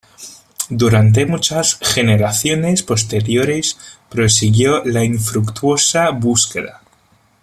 Durante muchas generaciones posteriores prosiguió la infructuosa búsqueda.